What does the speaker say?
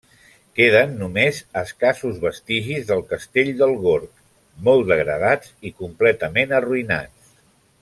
Queden només escassos vestigis del castell del Gorg, molt degradats i completament arruïnats.